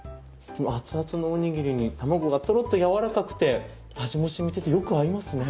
熱々のおにぎりに卵がトロっと柔らかくて味も染みててよく合いますね。